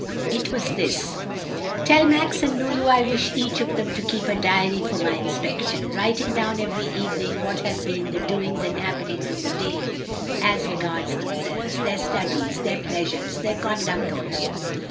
It was this: "Tell Max and Lulu I wish each of them to keep a diary for my inspection, writing down every evening what have been the doings and happenings of the day as regards themselves their studies, their pleasures, their conduct also.